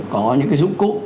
có những cái dụng cụ